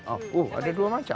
oh ada dua macam